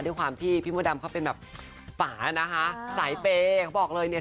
ด้วยความที่พี่มดดำเขาเป็นแบบฝานะคะสายเปย์เขาบอกเลยเนี่ย